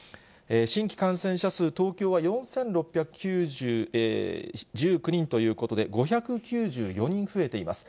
新規感染者数、東京は４６１９人ということで、５９４人増えています。